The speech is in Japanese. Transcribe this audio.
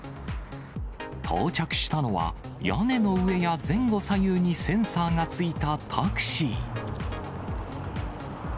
到着したのは、屋根の上や前後左右にセンサーが付いたタクシー。